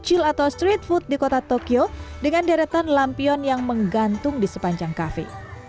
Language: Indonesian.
kecil atau street food di kota tokyo dengan deretan lampion yang menggantung di sepanjang cafe